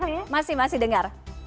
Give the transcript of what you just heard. iya masih masih dengar